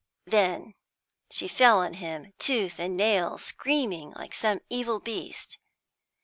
Then she fell on him, tooth and nail, screaming like some evil beast.